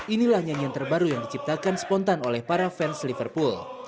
inilah nyanyian terbaru yang diciptakan spontan oleh para fans liverpool